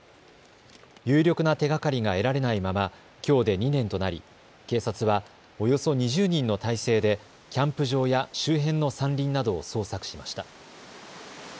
有力な手がかりが得られないままきょうで２年となり警察はおよそ２０人の態勢でキャンプ場や周辺の山林などを捜索しました。